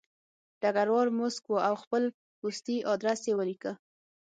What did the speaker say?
ډګروال موسک و او خپل پستي ادرس یې ولیکه